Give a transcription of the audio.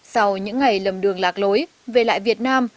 sau những ngày lầm đường lạc lối về lại việt nam